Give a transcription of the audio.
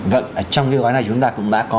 vâng trong cái gói này chúng ta cũng đã có